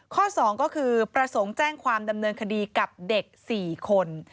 ๒ก็คือประสงค์แจ้งความดำเนินคดีกับเด็ก๔คน